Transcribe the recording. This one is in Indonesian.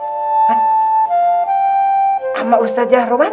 sama ustaz jarum mana